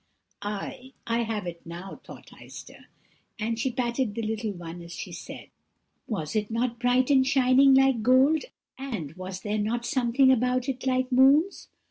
"'Ay, I have it now,' thought Heister; and she patted the little one as she said, 'Was it not bright and shining like gold, and was there not something about it like moons?'